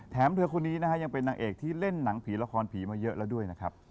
เธอคนนี้นะฮะยังเป็นนางเอกที่เล่นหนังผีละครผีมาเยอะแล้วด้วยนะครับ